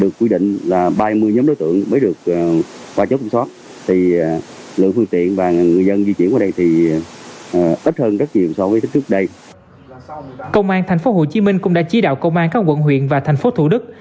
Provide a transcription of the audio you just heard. công an tp hcm cũng đã chỉ đạo công an các quận huyện và thành phố thủ đức